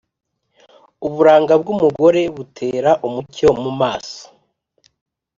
Uburanga bw’umugore butera umucyo mu maso,